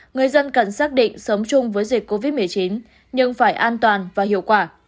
người dân cần xác định sống chung với dịch covid một mươi chín nhưng phải an toàn và hiệu quả